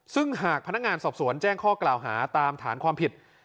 ซึ่งหากพนักงานสอบสวนแจ้งข้อกล่าวหาตามฐานความผิด